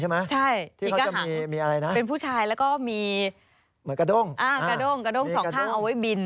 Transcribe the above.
อ่ากระดง๒ข้างเอาไว้บิน